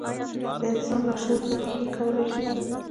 د انسان لاشعور ته رېښې کولای شي.